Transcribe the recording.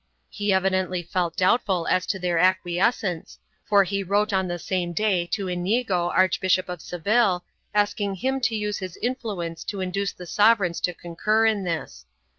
He evidently felt doubtful as to their acquiescence, for he wrote on the same day to Inigo Archbishop of Seville, asking him to use his influence to induce the sovereigns to concur in this.